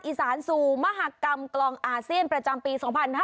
อีสานสู่มหากรรมกลองอาเซียนประจำปี๒๕๕๙